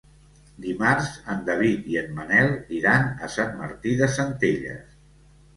Dimarts en David i en Manel iran a Sant Martí de Centelles.